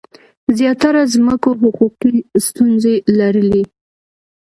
زیاتره ځمکو حقوقي ستونزي لرلي.